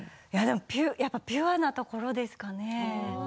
やっぱりピュアなところですかね。